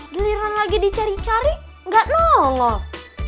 giliran lagi dicari cari gak nongol